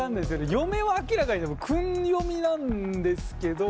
「嫁」は明らかにでも訓読みなんですけどでも。